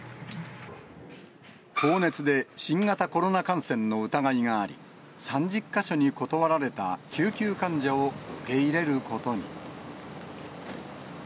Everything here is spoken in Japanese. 高熱で新型コロナ感染の疑いがあり、３０か所に断られた救急患者を受け入れることに。